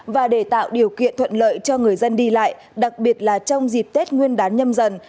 và để tạo điều kiện thuận lợi cho người dân đi lại đặc biệt là trong dịp tết nguyên đán nhâm dần